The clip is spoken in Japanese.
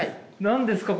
何ですか？